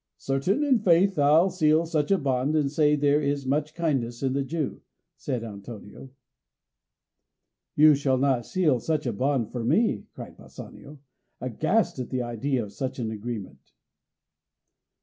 "Content, in faith; I'll seal to such a bond, and say there is much kindness in the Jew," said Antonio. "You shall not seal to such a bond for me," cried Bassanio, aghast at the idea of such an agreement.